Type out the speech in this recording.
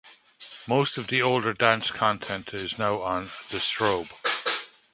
Most of the older dance content is now on The Strobe.